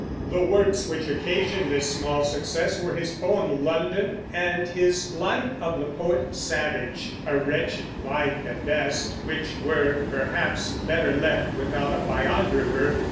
The works which occasioned this small success were his poem, "London," and his Life of the Poet Savage, a wretched life, at best, which were perhaps better left without a biographer.